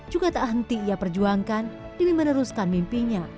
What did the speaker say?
juga tak henti ia perjuangkan demi meneruskan mimpinya